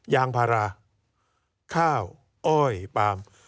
ยางภาระข้าวอ้อยปาม